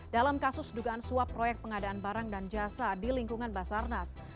dalam kasus dugaan suap proyek pengadaan barang dan jasa di lingkungan basarnas